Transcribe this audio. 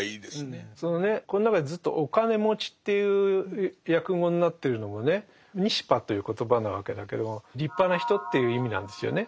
そのねこの中でずっと「お金持ち」っていう訳語になってるのもね「ニシパ」という言葉なわけだけども「立派な人」っていう意味なんですよね。